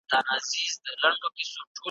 او په هغو کتابو کي چي منتهيان ئې وايي